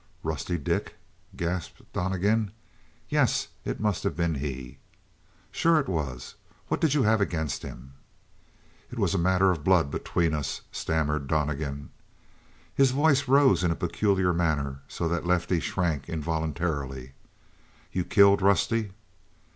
"Rusty Dick," gasped Donnegan. "Yes, it must have been he." "Sure it was. What did you have against him?" "It was a matter of blood between us," stammered Donnegan. His voice rose in a peculiar manner, so that Lefty shrank involuntarily. "You killed Rusty?"